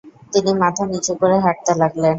তিনি মাথা নিচু করে হাঁটতে লাগলেন।